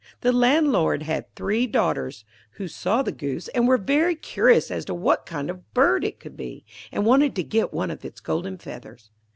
The landlord had three daughters, who saw the Goose, and were very curious as to what kind of bird it could be, and wanted to get one of its golden feathers.